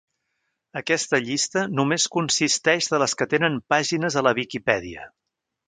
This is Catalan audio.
Aquesta llista només consisteix de les que tenen pàgines a la Viquipèdia.